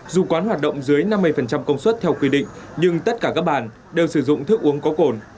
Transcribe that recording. dù quán hoạt động dưới năm mươi công suất theo quy định nhưng tất cả các bàn đều sử dụng thức uống có cồn